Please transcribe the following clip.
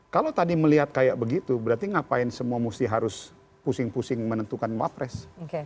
kalau tadi melihat kayak begitu berarti ngapain semua musti harus pusing pusing menentukan wapres